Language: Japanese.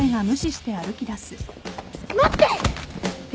待って！